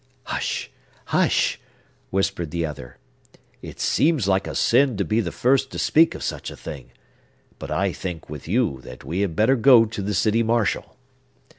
"Hush, hush!" whispered the other. "It seems like a sin to be the first to speak of such a thing. But I think, with you, that we had better go to the city marshal."